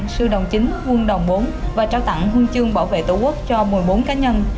sư đoàn chín quân đồng bốn và trao tặng huân chương bảo vệ tổ quốc cho một mươi bốn cá nhân